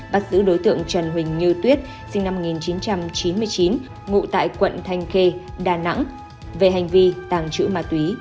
bắt giữ đối tượng trần huỳnh như tuyết sinh năm một nghìn chín trăm chín mươi chín ngụ tại quận thanh khê đà nẵng về hành vi tàng trữ ma túy